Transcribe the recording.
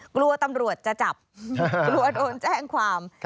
กลัวตำรวจจะจับกลัวโดนแจ้งความ